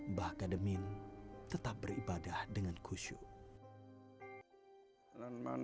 mbah kademin tetap beribadah dengan khusyuk